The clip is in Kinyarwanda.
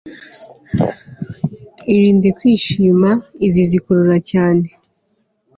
irinde kwishima, izi zikurura cyane